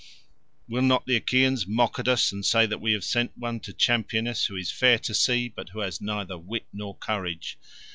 Will not the Achaeans mock at us and say that we have sent one to champion us who is fair to see but who has neither wit nor courage?